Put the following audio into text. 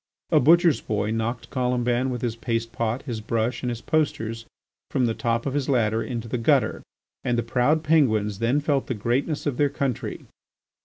A butcher's boy knocked Colomban with his paste pot, his brush, and his posters, from the top of his ladder into the gutter, and the proud Penguins then felt the greatness of their country.